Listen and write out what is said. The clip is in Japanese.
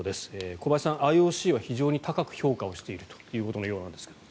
小林さん、ＩＯＣは非常に高く評価しているということのようですが。